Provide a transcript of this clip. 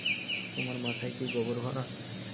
তোমার মাথায় কি গবর ভরা?